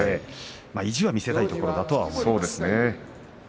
意地は見せたいところだと思います。